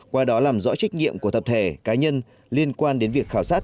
qua đó làm rõ trách nhiệm của tập thể cá nhân liên quan đến việc khảo sát